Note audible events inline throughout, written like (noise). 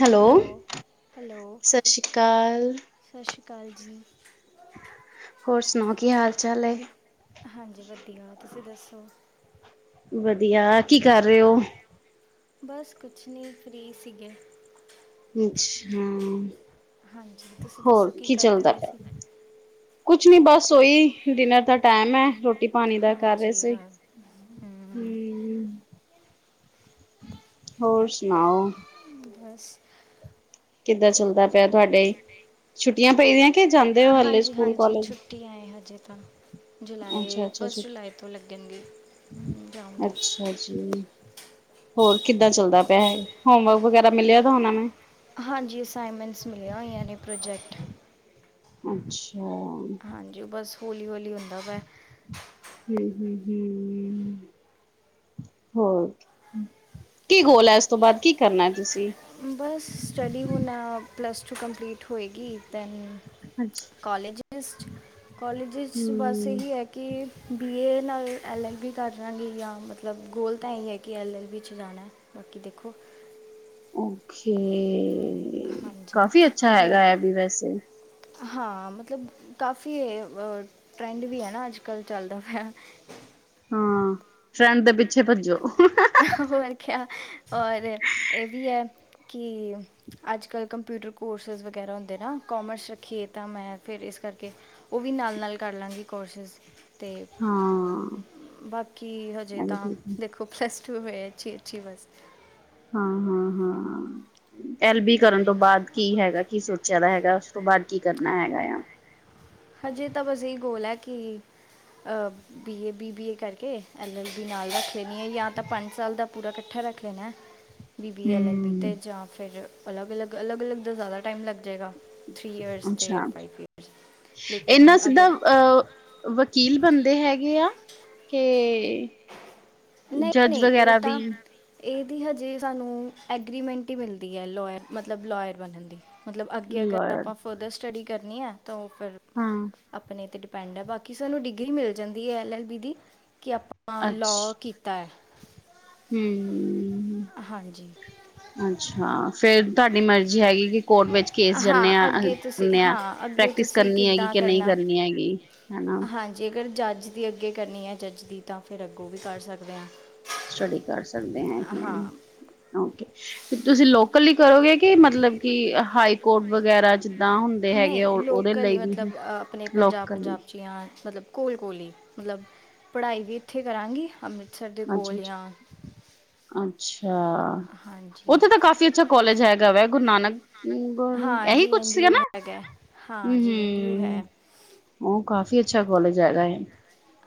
Hello hello ਸਤਿ ਸ੍ਰੀ ਅਕਾਲ ਕਾਲ ਜੀ ਹੋਰ ਸੁਣਾਓ ਕੀ ਹਾਲ ਚਾਲ ਹੈ? ਹਾਂਜੀ ਵਧੀਆ ਤੁਸੀਂ ਦੱਸੋ ਵਧੀਆ ਕੀ ਕਰ ਰਹੇ ਹੋ? ਬਸ ਕੁਛ ਨਹੀਂ ਫ੍ਰਰੀ ਸੀਗੇ। ਅੱਛਾ ਹਾਂਜੀ ਤੁਸੀਂ ਹੋਰ ਦੱਸੋ ਕੀ ਕਰਦੇ ਚੱਲਦਾ ਪਏ ਪਿਆ ਸੀ ਕੁਛ ਨੀ ਬਸ ਉਹੀ? ਡਿਨਰ ਦਾ ਟਾਈਮ ਹੈ ਰੋਟੀ। ਰੋਟੀ ਪਾਣੀ ਦਾ ਕਰ ਰਹੇ ਹਾਂਜੀ ਸੀ ਰਾ ਹਮ ਹੂੰ। ਹੋਰ ਸੁਣਾਓ? ਬਸ। ਕਿੱਦਾਂ ਚੱਲਦਾ ਪਿਆ ਤੁਹਾਡੇ ਛੁੱਟੀਆਂ ਪਈਆ? ਹਾਂਜੀ-ਹਾਂਜੀ ਛੁੱਟੀ ਆਏ ਹਜੇ ਤਾਂ ਅੱਛਾ ਜੁਲਾਈ ਅੱਛਾ ਫਸਟ ਛੁੱਟੀ ਜੁਲਾਈ ਤੋਂ ਲੱਗਣਗੇ ਜਾਊਂਗੀ। ਅੱਛਾ ਜੀ। ਪੈ ਹੈ ਹੋਮਵਰਕ ਵਗੈਰਾ ਮਿਲਿਆ ਦਾ ਹੋਣਾ ਵੈ? ਹਾਂਜੀ ਅਸਾਈਨਮੈਂਟਸ ਮਿਲੀਆਂ ਹੋਈਆਂ ਨੇ ਪ੍ਰੋਜੈਕਟ। ਅੱਛਾ। ਹੌਲੀ-ਹੌਲੀ ਹੁੰਦਾ ਪਿਆ? ਹੂੰ ਹੂੰ ਹੂੰ ਹੋਰ ਕੀ ਗੋਲ ਹੈ ਇਸ ਤੋਂ ਬਾਅਦ ਕੀ ਕਰਨਾ ਹੈ ਤੁਸੀਂ? ਬਸ ਸਟੱਡੀ ਹੁਣ ਅ ਪਲੱਸਟੂ। ਕੰਪਲੀਟ ਹੋਏਗੀ ਤੇ। ਹਾਂਜੀ। ਕਾਲਜ ਕਾਲਜ 'ਚ ਬਸ ਹਮ ਇਹੀ ਹੈ ਕਿ ਬੀ ਏ? ਨਾਲ ਐੱਲ ਐੱਲ ਬੀ ਕਰਲਾਗੀ ਜਾਂ ਮਤਲਬ ਗੋਲ ਤਾਂ ਇਹ ਹੈ ਕਿ ਐੱਲ ਐੱਲ ਬੀ 'ਚ ਜਾਣਾ ਬਾਕੀ ਦੇਖੋ? (unintelligible) ਹੂੰ ਹਾਂਜੀ ਕਾਫ਼ੀ ਅੱਛਾ ਮਤਲਬ ਹੈਗਾ ਹੈ ਅ ਵੀ ਵੈਸੇ। ਹਾਂ ਮਤਲਬ ਕਾਫੀ ਟਰੈਂਡ ਵੀ ਹੈ ਨਾ ਅੱਜ ਕੱਲ੍ਹ ਚੱਲਦਾ ਪਿਆ। ਹਾਂ ਟਰੈਂਡ ਦੇ ਪਿੱਛੇ ਭੱਜੋ। ਹੋਰ ਕਿਆ ਔਰ ਇਹ ਵੀ ਹੈ? ਕਿ ਅੱਜ ਕੱਲ੍ਹ ਕੰਪਿਊਟਰ ਕੋਰਸਿਸ ਵਗੈਰਾ ਹੁੰਦੇ ਨਾ ਕੋਮਰਸ ਰੱਖੀਏ ਤਾਂ ਮੈਂ ਫਿਰ ਇਸ ਕਰਕੇ ਉਹ ਵੀ ਨਾਲ ਨਾਲ ਕਰ ਲਾਂਗੀ ਕੋਰਸਿਸ। ਤੇ ਹਾਂ ਬਾਕੀ ਹਜੇ ਹਾਂ ਤਾਂ ਦੇਖੋ ਪਲੱਸਟੂ। ਤੂੰ ਰਹਿ ਅੱਛੀ-ਅੱਛੀ ਬਸ। ਹਾਂ-ਹਾਂ- ਹਾਂ ਐਲ ਬੀ ਕਰਨ ਤੋਂ ਬਾਅਦ ਕੀ ਹੈਗਾ ਕੀ ਸੋਚਿਆ ਦਾ ਹੈਗਾ ਉਸ ਤੋਂ ਬਾਅਦ ਕੀ ਕਰਨਾ ਹੈਗਾ ਆ? ਹਜੇ ਤਾਂ ਬਸ ਇਹੀ ਗੋਲ ਹੈ ਕਿ ਬੀਏ ਬੀ ਬੀ ਏ ਕਰਕੇ ਐਲ ਐਲ ਬੀ ਨਾਲ ਰੱਖ ਲੈਣੀ ਹੈ ਜਾਂ ਤਾਂ ਪੰਜ ਸਾਲ ਦਾ ਪੂਰਾ ਇਕੱਠਾ ਰੱਖ ਲੈਣਾ ਹੈ। B B L L B ਹਮ 'ਤੇ ਜਾਂ ਫਿਰ। ਅਲੱਗ -ਅਲੱਗ- ਅਲੱਗ -ਅਲੱਗ ਦਾ ਜ਼ਿਆਦਾ ਟਾਈਮ ਲੱਗ ਜਾਏਗਾ। ਥ੍ਰਰੀ ਈਅਰਸ ਅਤੇ ਅੱਛਾ ਫਾਈਵ ਈਅਰਸ। ਇਨਾ ਸਿੱਧਾ ਅਹ ਵਕੀਲ ਬੰਦੇ ਹੈਗੇ ਆ? ਕੇ। ਨਹੀਂ ਜੱਜ ਨਹੀਂ ਇਹ ਵਗੈਰਾ ਵੀ। ਤਾਂ ਇਹਦੀ ਹਜੇ ਸਾਨੂੰ ਐਗਰੀਮੈਂਟ ਹੀ ਮਿਲਦੀ ਹੈ ਲੋਇਰ ਮਤਲਬ ਲੋਇਰ ਬਣਨ ਦੀ। ਮਤਲਬ ਅੱਗੇ ਅਗਰ ਲਾਇਰ ਆਪਾਂ ਫਰਦਰ ਸਟੱਡੀ। ਕਰਨੀ ਆ, ਤਾਂ ਉਹ ਫਿਰ ਹਾਂ ਆਪਣੇ ਤੇ ਪਿੰਡ ਹੈ ਬਾਕੀ ਸਾਨੂੰ ਡਿਗਰੀ ਮਿਲ ਜਾਂਦੀ ਹੈ ਐਲ ਐਲ ਬੀ ਦੀ ਕਿ ਆਪਾਂ ਲੋਅ, (unintelligible) ਹੂੰ, ਅੱਛਾ ਫੇਰ ਤੁਹਾਡੀ ਮਰਜ਼ੀ ਹੈਗੀ। ਕੋਰਟ ਵਿੱਚ ਕੇਸ ਜਾਂਦੇ ਹਾਂ ਅੱਗੇ ਤੁਸੀਂ ਕਰਨੇ ਆ ਹਾਂ ਅੱਗੇ ਪ੍ਰੈਕਟਿਸ ਤੁਸੀਂ ਕਰਨੀ ਹੈਗੀ ਕਿੱਦਾਂ ਕਿ ਨਹੀਂ ਕਰਨਾ ਕਰਨੀ ਹੈਗੀ ਹਨਾ। ਹਾਂਜੀ ਅਗਰ ਜੱਜ ਦੀ ਅੱਗੇ ਕਰਨੀ ਹੈ ਜੱਜ ਦੀ ਤਾਂ ਫਿਰ ਅੱਗੋਂ ਵੀ ਕਰ ਸਕਦੇ ਹੈ। ਸਟੱਡੀ ਕਰ ਸਕਦੇ ਹੈਗੇ ਓਕੇ ਤੇ ਤੁਸੀਂ ਲੋਕ ਇਕੱਲੀ ਕਰੋਗੇ ਕਿ ਮਤਲਬ ਕਿ ਹਾਈ ਕੋਰਟ ਵਗੈਰਾ ਜ ਨਹੀਂ ਲੋਕਲ ਹੀ ਮਤਲਬ ਆਪਣੇ ਪੰਜਾਬ ਲੋਕਲ ਲਈ ਪੰਜਾਬ 'ਚ ਜਾਂ ਮਤਲਬ ਕੋਲ ਕੋਲ ਹੀ ਮਤਲਬ ਪੜ੍ਹਾਈ ਵੀ ਇੱਥੇ ਕਰਾਂਗੀ ਅੰਮ੍ਰਿ ਅੱ ਅੱਛਾ ਹਾਂਜੀ ਉੱਥੇ ਤਾਂ ਕਾਫ਼ੀ ਅੱਛਾ ਕਾਲਜ ਹੈਗਾ ਵਾ ਗੁਰੂ ਨਾਨਕ ਹਾਂ ਇਹੀ ਜੀ ਕੁਛ ਐਨ ਡੀ ਸੀਗਾ ਯੂ ਨਾ ਹੈਗਾ ਹਾਂ ਹੂੰ ਜੀ ਐਨ ਡੀ ਯੂ ਹੂੰ ਹੈ ਉਹ ਕ ਕਾਫੀ ਅੱਛਾ ਕਾਲਜ ਹੈਗਾ ਐ।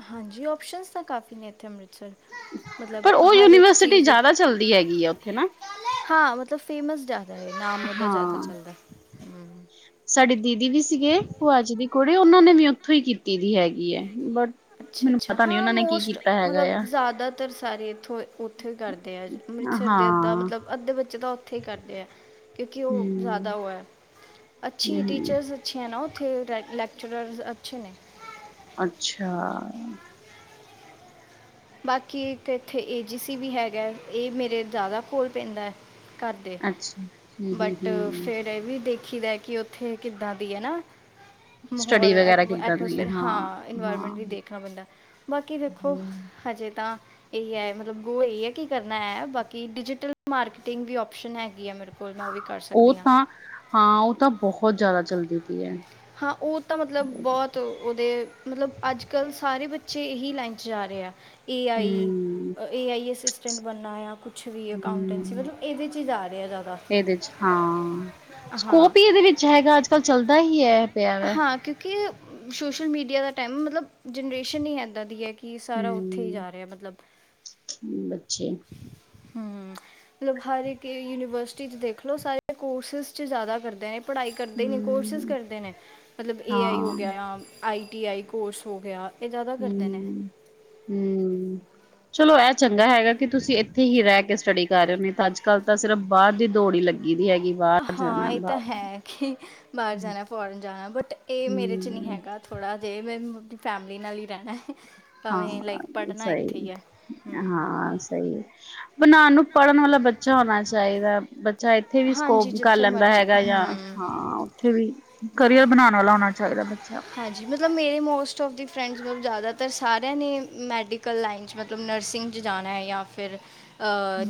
ਹਾਂਜੀ ਔਪਸ਼ਨਸ ਤਾਂ ਕਾਫੀ ਨੇ ਇੱਥੇ ਅੰਮ੍ਰਿਤਸਰ ਮਤਲਬ ਪਰ ਉਹ ਹਰ ਇੱਕ ਯੂਨੀਵਰਸਿਟੀ ਚੀਜ਼ ਦੀ ਜ਼ਿਆਦਾ ਚੱਲਦੀ ਹੈਗੀ ਆ ਉੱਥੇ ਨਾ ਹਾਂ ਫੇਮਸ ਡਾਟ, ਹਾਂ ਹੂੰ ਸਾਡੀ ਦੀਦੀ ਵੀ ਸੀਗੇ ਭੂਆ ਜੀ ਦੀ ਕੁੜੀ ਉਹਨਾਂ ਨੇ ਵੀ ਉੱਥੋਂ ਹੀ ਕੀਤੀ ਦੀ ਹੈਗੀ ਐ। ਅੱਛਾ ਅੱਛਾ, ਹਾਂ ਮੋਸਟ ਕੀਤਾ ਹੈਗਾ ਮਤਲਬ ਆ ਜ਼ਿਆਦਾਤਰ ਸਾਰੇ ਇਥੋਂ ਉੱਥੋਂ ਕਰਦੇ ਆ ਅੰਮ੍ਰਿਤਸਰ ਦੇ ਅੱਧਾ ਹਾਂ ਮਤਲਬ ਅੱਧੇ ਬੱਚੇ ਦਾ ਇਥੇ ਕਰਦੇ ਆ, ਕਿਉਂਕਿ ਉਹ ਹਮ ਜ਼ਿਆਦਾ ਉਹ ਹੈ ਅੱਛੀ ਹਮ ਟੀਚਰਸ ਅੱਛੇ ਹੈ ਨਾ ਉੱਥੇ ਲੈਕਚਰਰ ਅੱਛੇ ਨੇ, ਅੱਛਾ, ਬਾਕੀ ਇੱਕ ਇੱਥੇ ਏ ਜੀ ਸੀ ਵੀ ਹੈਗਾ ਇਹ ਮੇਰੇ ਜ਼ਿਆਦਾ ਕੋੋਲ ਪੈਂਦਾ ਹੈ। ਕਰਦੇ ਅੱਛਾ ਹਮ ਹਮ ਬਟ ਹਮ ਫੇਰ ਇਹ ਵੀ ਦੇਖ। ਦੇਖੀ ਦਾ ਕਿ ਉੱਥੇ ਕਿੱਦਾਂ ਦੀ ਹੈ ਨਾ ਸਟੱਡੀ ਮਾਹੌਲ ਵਗੈਰਾ ਕਿੱਦਾਂ ਦੀ ਹੈ ਐਟਮੋਸਫੇਅਰ ਹਾਂ ਹਾਂ ਇਨਵਾਇਰਮੈਂਟ ਵੀ ਦੇਖਣਾ ਪੈਂਦਾ ਬਾਕੀ ਦੇਖੋ। ਹਮ ਤਾਂ ਇਹ ਹੈ ਮਤਲਬ ਗੋ ਇਹ ਹੈ ਕਿ ਕਰਨਾ ਹੈ ਬਾਕੀ ਡਿਜੀਟਲ ਮਾਰਕੀਟਿੰਗ ਵੀ ਆਪ ਔਪਸ਼ਨ ਹੈਗੀ ਹੈ ਮੇਰੇ ਕੋਲ ਮੈਂ ਉਹ ਵੀ ਕਰ ਉਹ ਸਕਦੀ ਹਾਂ ਤਾਂ ਹਾਂ ਉਹ ਤਾਂ ਬਹੁਤ ਜ਼ਿਆਦਾ ਚੱਲਦੀ ਤ ਹੈ ਹਾਂ ਉਹ ਤਾਂ ਮਤਲਬ ਬਹੁਤ ਉਹਦੇ ਮਤਲਬ ਅੱਜ ਕੱਲ੍ਹ ਸਾਰੇ ਬੱਚੇ ਇਹੀ ਲਾਈਨ ਚ ਜਾ ਰਹੇ ਆ ਏ ਆਈ ਹਮ ਏ ਆਈ ਈ (inaudible) ਬਣਨਾ ਆ ਕੁਛ ਹੂੰ ਰਹੇ ਆ ਜ਼ਿਆਦਾ ਇਹਦੇ ਚ ਹਾਂ ਹਾਂ ਸਕੋਪ ਹੀ ਇਹਦੇ ਵਿੱਚ ਹੈਗਾ ਅੱਜ ਕੱਲ੍ਹ ਚੱਲਦਾ ਹੀ ਹੈ ਪਿਆ ਵੈ ਹਾਂ ਕਿਉਂਕਿ ਸੋਸ਼ਲ ਮੀਡੀਆ ਦਾ ਟਾਈਮ ਮਤਲਬ ਜਨਰੇਸ਼ਨ ਹੀਂ ਇੱਦਾਂ ਦੀ ਹੈ ਕੀ ਸਾਰਾ ਉੱਥੇ ਹੀ ਹਮ ਜਾ ਰਿਹਾ ਮਤਲਬ ਬੱਚੇ ਹੂੰ‌ ਮਤਲਬ ਹਰ ਇੱਕ ਯੂਨੀਵਰਸਿਟੀ ਚ ਦੇਖਲਓ ਸਾਰੇ ਕੋਰਸਿਸ ਚ ਜ਼ਿਆਦਾ ਕਰਦੇ ਨੇ ਪੜ੍ਹਾਈ ਕਰਦੇ ਨੇ ਕੋਰਸ਼ਿਸ ਹੂੰ, ਕਰਦੇ ਨੇ ਮਤਲਬ ਏ ਆਈ ਹੋ ਹਾਂ, ਗਿਆ ਆਈ ਟੀ ਆਈ ਕੋਰਸ ਹੋ ਗਿਆ ਇਹ ਜ਼ਿਆਦਾ ਕਰਦੇ ਨੇ ਹੂੰ, ਹੂੰ ਚਲੋ ਇਹ ਚਾ ਚੰਗਾ ਹੈਗਾ ਕਿ ਤੁਸੀਂ ਇੱਥੇ ਹੀ ਰਹਿ ਕੇ ਸਟੱਡੀ ਕਰ ਰਹੇ ਹੋ ਅੱਜ ਕੱਲ੍ਹ ਤਾਂ ਸਿਰਫ ਬਾਹਰ ਦੀ ਦੌੜ ਹੀ ਲੱਗੀ ਦੀ ਹੈਗੀ ਬਾਹਰ ਹਾਂ ਜਾਣਾ ਇਹ ਤਾਂ ਬਾਹਰ ਹੈ ਕਿ ਬਾਹਰ ਜਾਣਾ ਫੋਰਨ ਜਾਣਾ ਬਟ ਇਹ ਮੇਰੇ ਚ ਨਹੀਂ ਹੂੰ, ਹੈਗਾ ਥੋੜ੍ਹਾ ਜਿਹੇ ਮੈਂ ਫੈਮਿਲੀ ਨਾਲ ਹੀ ਰਹਿਣਾ ਹੈ। ਭਾਵੇਂ ਹਾਂ ਲਾਈਕ ਪੜ੍ਹਨਾ ਸਹੀ ਇੱਥੇ ਹੀ ਹੈ ਹਮ ਹਾਂ ਸਹੀ ਬਣਾਉਣ ਨੂੰ ਪੜ੍ਹਨ ਵਾਲਾ ਬੱਚਾ ਹੋਣਾ ਚਾਹੀਦਾ ਚਾ ਇੱਥੇ ਵੀ ਹਾਂਜੀ ਸਕੋਪ ਕਰ ਜਿੱਥੇ ਲੈਂਦਾ ਮਰਜ਼ੀ ਹੈਗਾ ਜਾਂ ਹਮ ਹਾਂ ਉੱਥੇ ਵੀ ਕਰੀਅਰ ਬਣਾਉਣ ਵਾਲਾ ਹੋਣਾ ਚਾਹੀਦਾ ਬਚਾ ਹਾਂਜੀ ਮਤਲਬ ਮੇਰੇ ਮੋਸਟ ਉਫ ਦੀ ਫਰੈਂਡ ਮਤਲਬ ਜ਼ਿਆਦਾਤਰ ਸਾਰੇ ਮੈਡੀਕਲ ਲਾਈਨ ਚ ਮਤਲਬ ਨਰਸਿੰਗ ਚ ਜਾਣਾ ਹੈ ਜਾਂ ਫਿਰ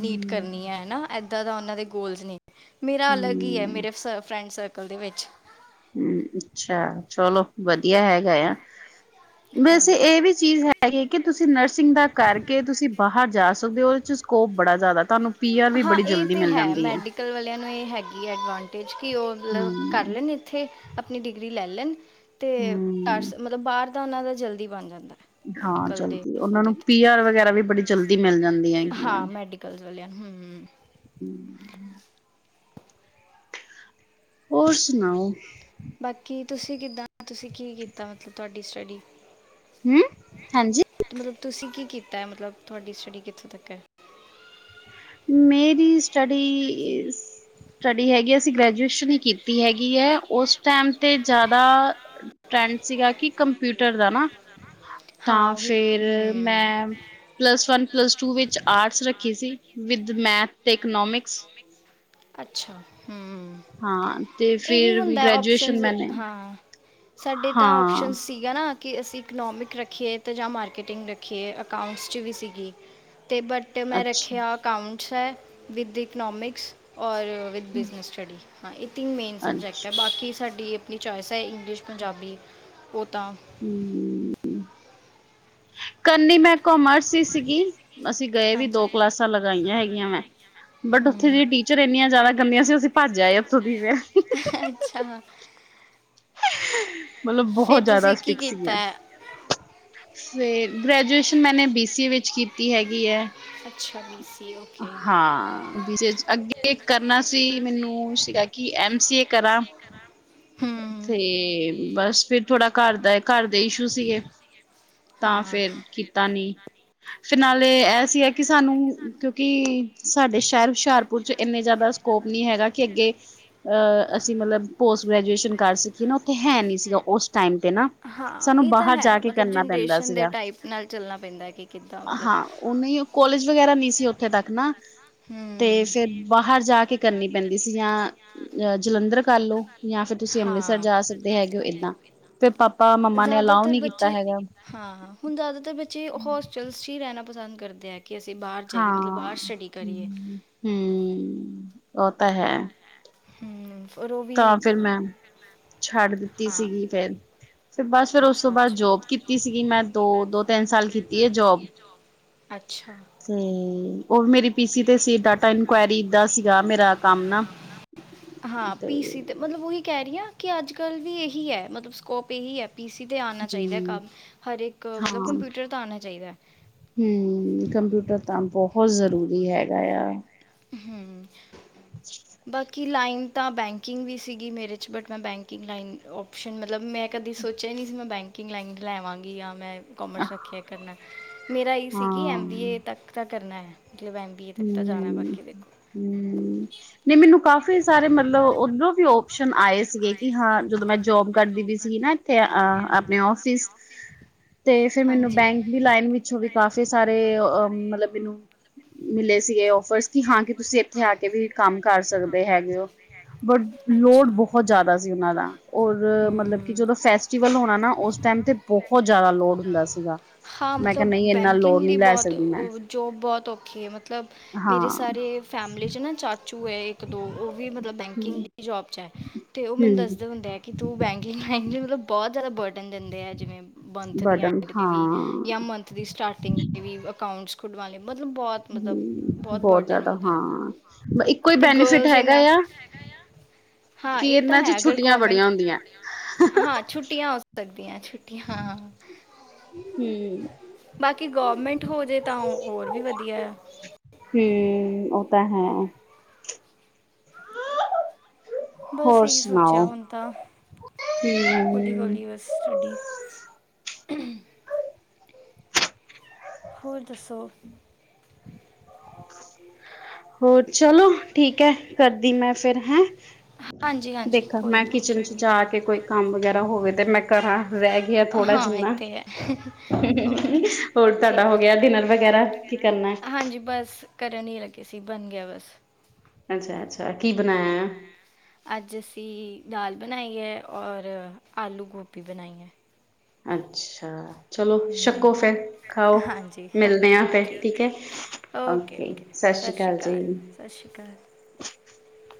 ਨੀਟ ਕਰਨੀ ਹੈ ਹੈ ਨਾ ਐ ਇੱਦਾਂ ਦਾ ਉਹਨਾਂ ਦੇ ਗੋਲਜ ਨੇ ਮੇਰਾ ਅਲੱਗ ਹੀ ਹੈ ਹੂੰ, ਮੇਰੇ ਫਰੈਂਡ ਸਰਕਲ ਦੇ ਵਿੱਚ ਹੂੰ ਅੱਛਾ ਚਲੋ ਵਧੀਆ ਹੈਗਾ ਆ ਵੈਸੇ ਹਾਂਜੀ ਇਹ ਵੀ ਚੀਜ਼ ਹੈਗੀ ਕਿ ਤੁਸੀਂ ਨਰਸਿੰਗ ਦਾ ਕਰਕੇ ਤੁਸੀਂ ਬਾਹਰ ਜਾ ਸਕਦੇ ਹੋ। ਉਹਦੇ ਚ ਸਕੋਪ ਬੜਾ ਜ਼ਿਆਦਾ ਤੁਹਾਨੂੰ ਪੀ ਆਰ ਵੀ ਹਾਂ ਬੜੀ ਇਹ ਜਲਦੀ ਤਾਂ ਮਿਲ ਹੈ ਜਾਂਦੀ ਮੈਡੀਕਲ ਵਾਲਿਆਂ ਨੂੰ ਇਹ ਹੈਗੀ ਹੈ ਐਡਵਾਂਟੇਜ ਕਿ ਉਹ ਮਤਲਬ ਕਰ ਹਮ ਲੈਣ ਇੱਥੇ ਆਪਣੀ ਡਿਗਰੀ ਲੈ ਲੈਣ ਤੇ ਹਮ ਟਰਸ ਮਤਲਬ ਬਾਹਰ ਤਾਂ ਉਹਨਾਂ ਦਾ ਜਲਦੀ ਬਣ ਜਾਂਦਾ ਹਾਂ ਮੈਡੀਕਲ ਦੇ ਜਲਦੀ ਉਹਨਾਂ ਉਹਦੇ ਨੂੰ ਤੇ ਪੀ ਆਰ ਵਗੈਰਾ ਵੀ ਬੜੀ ਜਲਦੀ ਮਿਲ ਜਾਂਦੀ ਹੈਗੀ ਆ ਹੂ ਹੋਰ ਸੁਣਾਓ ਬਾਕੀ ਤੁਸੀਂ ਕਿੱਦਾਂ ਹ ਤੁਸੀਂ ਕੀ ਕੀਤਾ ਮਤਲਬ ਤੁਹਾਡੀ ਸਾਡੀੇ ਹੂ ਹਾਂਜੀ ਮਤਲਬ ਤੁਸੀਂ ਕੀ ਕੀਤਾ ਹੈ ਮਤਲਬ ਤੁਹਾਡੀ ਸਟੱਡੀ ਕਿੱਥੋਂ ਤੱਕ ਹੈ ਮੇਰੀ ਸਟੱਡੀ ਸਟੱਡੀ ਹੈਗੀ ਅਸੀਂ ਗ੍ਰੈਜੂਏਸ਼ਨ ਹੀ ਕੀਤੀ ਹੈਗੀ ਹੈ ਉਸ ਟਾਈਮ ਤੇ ਜ਼ਿਆਦਾ ਟਰੈਂਡ ਸੀਗਾ ਕਿ ਕੰਪਿਊਟਰ ਨਾ ਹਾਂ ਤਾਂ ਉਹੀ ਫਿਰ ਹੂੰ ਮੈਂ, ਪਲੱਸ ਵਨ ਪਲੱਸ ਟੂ ਵਿੱਚ ਆਰਟਸ ਰੱਖੀ ਸੀ ਵਿਦ ਮੈਥ ਤੇ ਇਕਨੋਮਿਕ (inaudible) ਅੱਛਾ ਤੇ ਇਹ ਵੀ ਫਿਰ ਹੁੰਦਾ ਗ੍ਰੈਜੂਏਸ਼ਨ ਓਪਸ਼ਨਸ ਮੈਨੇ ਹਾਂ, ਸਾਡੇ ਤਾਂ ਹਾਂ ਓਪਸ਼ਨ ਸੀਗਾ ਨਾ ਕਿ ਅਸੀਂ ਇਕਨੋਮਿਕ ਰੱਖੀਏ ਤਾਂ ਜਾਂ ਮਾਰਕੀਟਿੰਗ ਰੱਖੀਏ ਅਕਾਊਂਟਸ 'ਚ ਵੀ ਸੀਗੀ ਤੇ ਬਟ ਮੈਂ ਅੱਛਾ ਰੱਖਿਆ ਅਕਾਊਂਟ ਛੇ ਵਿਦ ਇਟ ਇਕਨੋਮਿਕਸ ਔਰ ਵਿਦ ਬਿਜ਼ਨਸ ਸਟੱਡੀ ਹਾਂ ਇਹ ਤਿਨ ਮੇਨ ਸਬਜੈਕਟ ਅੱਛਾ ਐ, ਬਾਕੀ ਸਾਡੀ ਆਪਣੀ ਚੋਆਇਸ ਹੈ ਇੰਗਲਿਸ਼ ਪੰਜਾਬੀ ਉਹ ਤਾਂ ਹੂ ਉ ਉ ਕਰਨੀ ਮੈਂ ਕੋਮਰਸ ਹੀ ਸੀਗੀ, ਅਸੀਂ ਗਏ ਵੀ ਹਾਂਜੀ। ਦੋ ਕਲਾਸਾਂ ਲਗਾਈਆਂ ਹੈਗੀਆਂ ਮੈਂ, ਬਟ ਉੱਥੇ ਹੂੰ। ਦੀ ਟੀਚਰ ਇੰਨੀਆਂ ਜ਼ਿਆਦਾ ਗੰਦੀਆਂ ਸੀ ਅਸੀਂ ਭੱਜਿਆ ਉੱਥੋਂ ਦੀ ਤੇ ਦੀ ਅੱਛਾ, (inaudible) ਮਤਲਬ ਬਹੁਤ ਫਿਰ ਜਿਆਦਾ ਤੁਸੀਂ ਕੀ ਸਟਿਕ ਸੀਗੀਆਂ, ਕੀਤਾ ਹੈ? ਫੇਰ ਗ੍ਰੈਜੂਏਸ਼ਨ ਮੈਨੇ ਬੀ ਸੀ ਏ ਵਿੱਚ ਕੀਤੀ ਹੈਗੀ ਹੈ ਅੱਛਾ ਬੀ ਸੀ ਓਕੇ ਹਾਂ ਬ ਅੱਗੇ ਕਰਨਾ ਸੀ ਮੈਨੂੰ ਸੀਗਾ ਕਿ ਐਮ ਸੀ ਏ ਕਰਾਂ, ਹੂੰ, ਤੇ ਬਸ ਫਿਰ ਥੋੜਾ ਘਰ ਦਾ ਘਰ ਦੇ ਇਸ਼ੂ ਸੀਗੇ, ਤਾਂ ਹਾਂ। ਫੇਿਰ ਕੀਤਾ ਨੀ ਤੇ ਨਾਲੇ ਇਹ ਸੀ ਹੈ ਕਿ ਸਾਨੂੰ ਕਿਉਂਕਿ ਸਾਡੇ ਸ਼ਹਿਰ ਹੁਸ਼ਿਆਰਪੁਰ 'ਚ ਇੰਨੇ ਜ਼ਿਆਦਾ ਸਕੋਪ ਨਹੀਂ ਹੈਗਾ ਕਿ ਅੱਗੇ ਅਹ ਅਸੀਂ ਮਤਲਬ ਪੋਸਟ ਗ੍ਰੈਜੂਏਸ਼ਨ ਕਰ ਸਕੀਏ ਨਾ ਔਥੇ ਹੈ ਨੀ ਸੀਗਾ ਉਸ ਟਾਈਮ ਤੇ ਨਾ ''ਹਾਂ ਸਾਨੂੰ ਇਹ ਤਾਂ ਬਾਹਰ ਜਾ ਹੈ। ਕੇ ਮਤਲਬ ਕਰਨਾ ਪੈਂਦਾ ਜਨਰੇਸ਼ਨ ਦੇ ਸੀਗਾ ਟਾਈਪ ਨਾਲ ਚੱਲਣਾ ਪੈਂਦਾ ਕਿ ਕਿੱਦਾਂ ਮਤਲਬ ਕੋਲੇਜ ਵਗੈਰਾ ਨਹੀਂ ਸੀ, ਉੱਥੇ ਤੱਕ ਨਾ ਤੇ, ਹੂੰ। ਫਿਰ ਬਾਹਰ ਜਾਕੇ ਕਰਨੀ ਪੈਂਦੀ ਸੀ ਜਾਂ ਅ ਜਲੰਧਰ ਕਰ ਲੋ। ਯਾਂ ਫਿਰ ਤੁਸੀਂ ਅੰਮ੍ਰਿਤਸਰ ਹਾਂ। ਜਾ ਸਕਦੇ ਹੈਗੇ ਹੋ, ਏਦਾਂ ਫਿਰ ਪਾਪਾ, ਮੰਮਾ ਨੇ ਅਲਾਓ ਜ਼ਿਆਦਾਤਰ ਨੀ ਕੀਤਾ ਬੱਚੇ ਹੈਗਾ। ਹਾਂ ਹੁਣ ਜ਼ਿਆਦਾਤਰ ਬੱਚੇ ਹੋਸਟਲਸ 'ਚ ਹੀ ਰਹਿਣਾ ਪਸੰਦ ਕਰਦੇ ਆ ਹਾਂ ਹੂੰ ਓ, ਤਾ ਹੈ ਹੂੰ ਤਾਂ ਫਿਰ ਮੈਂ ਛੱਡ ਦਿੱਤੀ ਹਾਂ ਸੀਗੀ 'ਫੇਰ ਫਿਰ ਬਸ ਫਿਰ ਉਸ ਤੋਂ ਅੱਛਾ ਬਾਅਦ ਅੱਛਾ ਜੋਬ ਕੀਤੀ ਸੀਗੀ। ''ਮੈਂ ਦੋ- ਦੋ-ਤਿੰਨ ਸਾਲ ਕੀਤੀ ਹੈ ਜੋਬ ਅੱਛਾ ਤੇ ''ਉਹ ਮੇਰੀ ਪੀਸੀ ਤੇ ਸੀ, ਡਾਟਾ ਇਨਕੁਆਇਰੀ ਦਾ ਸੀਗਾ। ''ਮੇਰਾ ਕੰਮ ਨਾ ਹਾਂ ਤੇ ਪੀ ਸੀ ਮਤਲਬ ਉਹੀ ਕਹਿ ਰਹੀ ਹਾਂ। ਕਿ, ਅੱਜ -ਕੱਲ ਵੀ ਇਹੀ ਹੈ। ਮਤਲਬ ਸਕੋਪ ਇਹੀ ਹੈ। ''ਪੀ ਸੀ ਤੇ ਆਨਾ ਚਾਹੀਦਾ ਹੈ ਹਮ ਕੰਮ, 'ਹਰ ਇੱਕ ਮਤਲਬ ਹਾਂ ਕੰਪਿਊਟਰ ਤੇ ਆਣਾ ਚਾਹੀਦਾ ਹੈ ਹੂੰ, ਕੰਪਿਊਟਰ ਤਾਂ ਬਹੁਤ ਜ਼ਰੂਰੀ ਹੈਗਾ ਆ। ਹੂੰ। (inaudible) ਕਿ ਲਾਈਨ ਤਾਂ ਬੈਂਕਿੰਗ ਵੀ ਸੀਗੀ, ਮੇਰੇ'ਚ ਬਟ ''ਮੈਂ ਬੈਂਕਿੰਗ ਲਾਈਨ ਓਪਸ਼ਨ ਮਤਲਬ ''ਮੈਂ ਕਦੇ ਸੋਚਿਆ ਹੀ ਨਹੀਂ ਸੀ, ਮੈਂ ਬੈਂਕਿੰਗ ਲਾਈਨ ਲੈਵਾਂਗੀ ਜਾਂ ਮੈਂ ਹਾਂ। ਕੋਮਰਸ ਰੱਖਿਆ ਕਰਨਾ ''ਮੇਰਾ ਇਹ ਸੀ ਕਿ, ਐਮ ਬੀ ਏ ਤੱਕ ਤ ਕਰਨਾ ਐ। ਮਤਲਬ ਐਮ, ਬੀਏ ਤੱਕ ਤਾਂ ਜਾਣਾ ਪ ਹੂੰ। ਹੂੰ, ਨਹੀਂ ਮੈਨੂੰ ਕਾਫੀ ਕਾਫੀ ਸਾਰੇ ਮਤਲਬ ਉੱਧਰੋਂ ਵੀ ਔਪਸ਼ਨ ਆਏ ਸੀਗੇ। ਕਿ, ਹਾਂ। ਜਦੋਂ ਮੈਂ ਜੋਬ ਕਰਦੀ ਵੀ ਸੀਗੀ ਨਾ, 'ਇਥੇ ਆਪਣੇ ਔਫਿਸ ਤੇ ਫਿਰ ਮੈਨੂੰ ਹਾਂਜੀ ਬੈਂਕ ਦੀ ਲਾਈਨ ਵਿੱਚੋਂ ਵੀ ਕਾਫੀ ਸਾਰੇ ਮਤਲਬ ਮੈਨੂੰ ਸੀਗੇ ਔਫਰਸ ਕਿ, ਹਾਂ ਕਿ ਤੁਸੀਂ ਇੱਥੇ ਆ ਕੇ ਵੀ ਕੰਮ ਕਰ ਸਕਦੇ ਹੈਗੇ ਹੋ, ਬਟ ਲੋੜ ਅੱਛਾ ਬਹੁਤ ਜ਼ਿਆਦਾ ਸੀ ਉਹਨਾਂ ਦਾ, ਔਰ ਮਤਲਬ ਕਿ ਹੂੰ ਜਦੋਂ 'ਫੈਸਟੀਵਲ ਹੋਣਾ ਨਾ, ਉਸ ਟਾਈਮ ਤੇ ਬਹੁਤ ਜ਼ਿਆਦਾ ਲੋੜ ਹੁੰਦਾ ਸੀ। ਸੀਗਾ ਹਾਂ। ਮੈਂ ਕਿਹਾ ਮਤਲਬ ਨਹੀਂ ਇੰਨਾ ਲੋਡ ਬੈਂਕਿੰਗ ਦੀ ਨਹੀਂ ਲੈ ਬਹੁਤ ਸਕਦੀ ਮੈਂ ਜੋਬ ਬਹੁਤ ਔਖੀ ਹੈ, ਮਤਲਬ ਮਤਲਬ ਹਾਂ 'ਮੇਰੀ ਸਾਰੀ ਫੈਮਿਲੀ'ਚ ਨਾ, ਚਾ ਚ, ਓ ਇੱਕ-ਦੋ ਉਹ ਵੀ ਮਤਲਬ ਬੈਂਕਿੰਗ ਦੀ ਜੋਬ'ਚ ਹੈ। ਅਤੇ, ਉਹ ਮੈਨੂੰ ਹੂੰ ਦੱਸਦੇ ਹੁੰਦੇ ਹੈ, ਕਿ ਤੂੰ ਬੈਂਕਿੰਗ ਲ ਮਤਲਬ ਬਹੁਤ ਜ਼ਿਆਦਾ ਬਰਡਨ ਦਿੰਦੇ ਆ ਜਿਵੇਂ ਮੰਥ ਦੀ ਬਟਨ ਐਂਡ 'ਤੇ ਵੀ ਹਾਂ। ਜਾਂ ਮੰਥ ਦੀ ਸਟਾਰਟਿੰਗ ਤੇ ਵੀ ਅ (unintelligible) ਵਾਲੇ ਹੂੰ, ਬਹੁਤ ਜ਼ਿਆਦਾ ਹੁੰਦਾ ਹਾਂ ਇੱਕੋ ਹੀ ਅਤੇ ਬੈਨੀਫਿਟ ਗਰਲਜ਼ ਹੈਗਾ ਇੰਨਾ ਆ ਹਾਂ ਕਿ ਇਹ ਤਾਂ ਇਹਨਾਂ ਚ ਹੈ ਅਗਰ ਛੁੱਟੀਆਂ ਗੌਰਮੈਂਟ ਬੜੀਆਂ ਹੁੰਦੀਆਂ। ਹਾਂ ਛੁੱਟੀਆਂ ਹੋ ਸਕਦੀਆਂ ਚ, ਛੁੱਟੀਆਂ ਹਾ, ਹੂੰ ਬਾਕੀ ਗੌਰਮੈਂਟ ਹੋਜੇ ਤਾਂ ਉਹ ਹੋਰ ਵੀ ਵਧੀਆ ਹੈ। ਹ (unintelligible) ਬਸ ਹੋਰ ਇਹ ਸੋਚਿਆ ਸੁਣਾਓ ਹੁਣ ਤਾ ਹੋਲੀ ਹਮ ਹੋਲੀ ਬਸ ਸਟੱਡੀ (unintelligible) ਹੋਰ ਦੱਸੋ? ਹੋਰ ਚਲੋ ਠੀਕ ਹੈ ਕਰਦੀ ਮੈਂ ਫੇਰ ਹੈਂ। ਹਾਂਜੀ ਹਾਂਜੀ ਦੇਖਾਂ ਕੋਈ ਮੈਂ ਨਾ ਕਿਚਨ ਓਕੇ ਚ ਜਾ ਕੇ ਕੋਈ ਕੰਮ ਵਗੈਰਾ ਹੋਵੇ ਤੇ ਮੈਂ ਕਰਾਂ ਰਹਿ ਗਿਆ ਥੋੜ੍ਹਾ ਹਾਂ ਜਿੰਨਾ ਇੱਥੇ ਹੈ ਹੋਰ ਕੀ ਹੋਰ ਤੁਹਾਡਾ ਠੀਕ ਹੋ ਗਿਆ ਡਿਨਰ ਵਗੈਰਾ ਕੀ ਕਰਨਾ ਘਰ ਨਹੀਂ ਲੱਗੇ ਸੀ ਬਣ ਗਿਆ ਬਸ ਅੱਛਾ ਅੱਛਾ, ਕੀ ਬਣਾਇਆ ਅੱਜ ਅਸੀਂ ਦਾਲ, ਬਣਾਈਏ ਔਰ ਆਲੂ ਗੋਭੀ ਬਣਾਈਏ। ਅੱਛਾ, ਚਲੋ ਛਕੋ ਫੇਿਰ ਖਾਓ ਮਿਲਦੇ ਆ ਫਿਰ ਠੀਕ ਹੈ ਓਕੇ ਸਤਿ ਸ੍ਰੀ ਅਕਾਲ ਜੀ। (unintelligible)